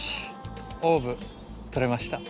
オーブとれました。